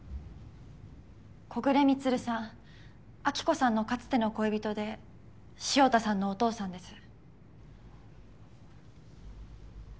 木暮満さん暁子さんのかつての恋人で潮田さんのお父さんです。